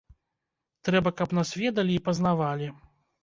Трэба, каб нас ведалі і пазнавалі.